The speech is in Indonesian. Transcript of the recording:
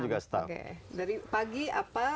juga staff oke dari pagi apa